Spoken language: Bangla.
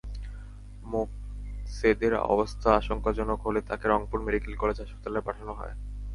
মোকছেদের অবস্থা আশঙ্কাজনক হলে তাঁকে রংপুর মেডিকেল কলেজ হাসপাতালে পাঠানো হয়।